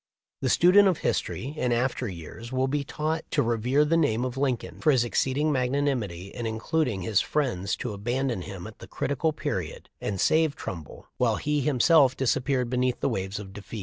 The student of history in after years will be taught to rever the name of Lincoln for his exceeding magnanimity in inducting his friends to abandon him at the critical period and save Trumbull, while he himself disappeared beneath the waves of defeat.